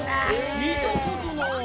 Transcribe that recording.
見たことない。